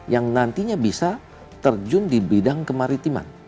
yang nantinya bisa terjun di bidang kemaritiman